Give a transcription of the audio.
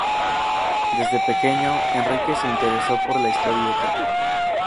Desde pequeño, Enrique se interesó por la historieta.